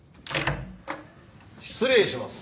失礼します。